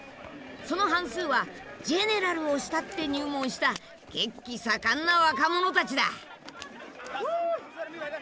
その半数はジェネラルを慕って入門した血気盛んな若者たちだ。